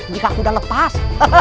jika aku udah lepas